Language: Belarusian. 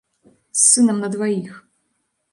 З сынам на дваіх.